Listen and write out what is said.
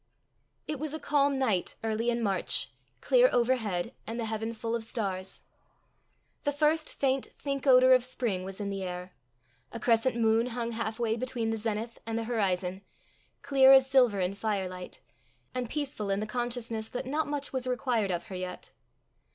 It was a calm night early in March, clear overhead, and the heaven full of stars. The first faint think odour of spring was in the air. A crescent moon hung half way between the zenith and the horizon, clear as silver in firelight, and peaceful in the consciousness that not much was required of her yet.